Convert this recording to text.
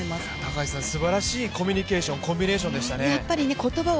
高橋さん、すばらしいコミュニケーション、コンビネーションでしたね。